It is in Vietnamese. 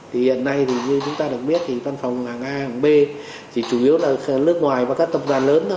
thì hiện nay thì như chúng ta được biết thì văn phòng hàng a hàng b thì chủ yếu là nước ngoài và các tập đoàn lớn đó